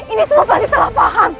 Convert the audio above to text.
ini semua pasti salah paham